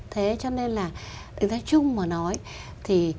thế cho nên là đánh giá chung mà nói thì